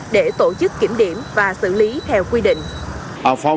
để tổ chức kiểm điểm và xử lý theo quy định